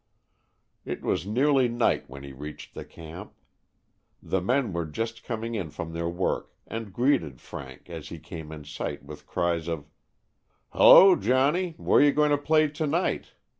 It was nearly night when he reached the camp. The men were just coming in from their work and greeted Frank as he came in sight with cries of : "Hello, Johnnie, where're you going to play to night?